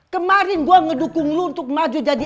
kemarin gue ngedukung lo untuk maju jadi rw